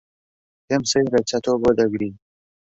پێم سەیرە چەتۆ بۆ دەگری.